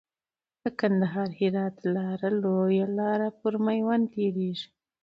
د کندهار هرات لاره لويه لار پر ميوند تيريږي .